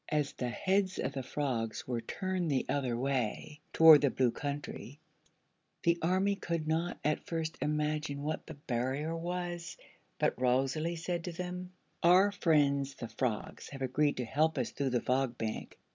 As the heads of the frogs were turned the other way, toward the Blue Country, the army could not at first imagine what the barrier was; but Rosalie said to them: "Our friends the frogs have agreed to help us through the Fog Bank.